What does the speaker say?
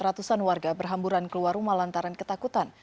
ratusan warga berhamburan keluar rumah lantaran ketakutan